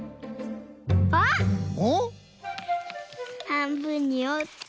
はんぶんにおって。